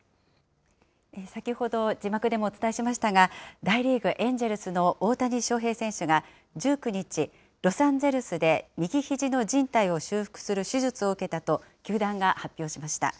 先ほど、字幕でもお伝えしましたが、大リーグ・エンジェルスの大谷翔平選手が、１９日、ロサンゼルスで右ひじのじん帯を修復する手術を受けたと、球団が発表しました。